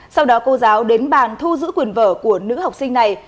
sau đó cô giáo đến bàn thu giữ quyền vở của nữ học sinh này